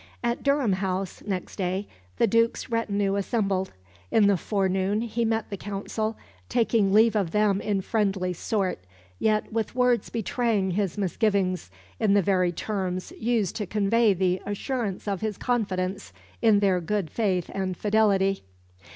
At Durham House, next day, the Duke's retinue assembled. In the forenoon he met the Council, taking leave of them in friendly sort, yet with words betraying his misgivings in the very terms used to convey the assurance of his confidence in their good faith and fidelity.